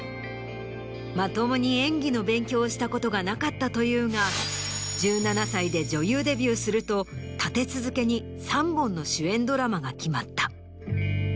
まともに演技の勉強をしたことがなかったというが１７歳で女優デビューすると立て続けに３本の主演ドラマが決まった。